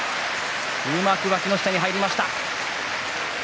うまく、わきの下に入りました。